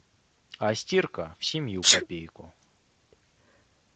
А стирка — в семью копейка.